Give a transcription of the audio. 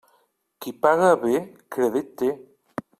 Qui paga bé, crèdit té.